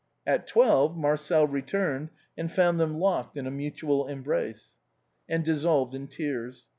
At twelve. Marcel returned, and found them locked in a mutual embrace, and dissolved in tears.